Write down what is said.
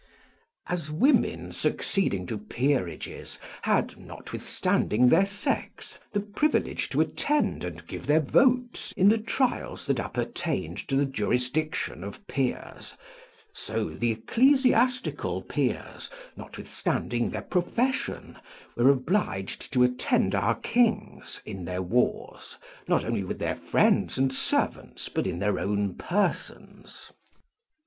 As women succeeding to peerages had, notwithstanding their sex, the privilege to attend and give their votes in the trials that appertained to the jurisdiction of peers; so the ecclesiastical peers, notwithstanding their profession, were obliged to attend our kings in their wars, not only with their friends and servants, but in their own persons.